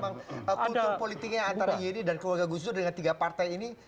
kulturnya politiknya antara iyeni dan keluarga gusudur dengan tiga partai ini